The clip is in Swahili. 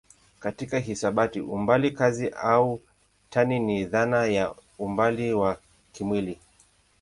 Katika hisabati umbali kazi au tani ni dhana ya umbali wa kimwili.